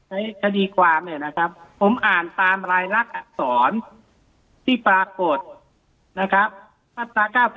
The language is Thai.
ในคดีความเนี่ยนะครับผมอ่านตามรายลักษณ์สอนที่ปรากฏนะครับ